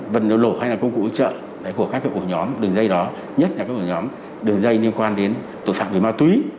vân lỗ hay là công cụ ủi trợ của các ổ nhóm đường dây đó nhất là các ổ nhóm đường dây liên quan đến tội phạm về ma túy